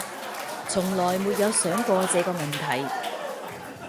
从来没有想过这个问题